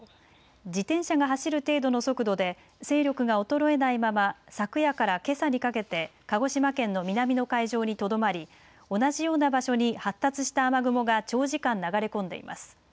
自転車が走る程度の速度で勢力が衰えないまま昨夜からけさにかけて鹿児島県の南の海上にとどまり同じような場所に発達した雨雲が長時間、流れ込んでいます。